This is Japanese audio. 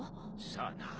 さあな。